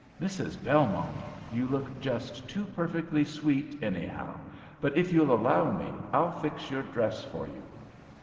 "Mrs. Belmont, you look just too perfectly sweet anyhow, but if you'll allow me, I'll fix your dress for you."